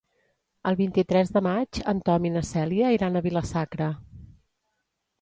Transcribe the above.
El vint-i-tres de maig en Tom i na Cèlia iran a Vila-sacra.